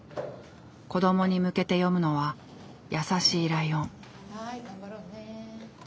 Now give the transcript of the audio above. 子どもに向けて読むのは「やさしいライオン」。